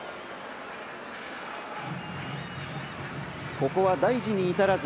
ここは大事に至らず。